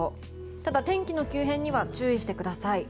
ただ、天気の急変には注意してください。